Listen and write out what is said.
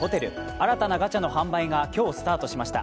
新たなガチャの販売が今日スタートしました。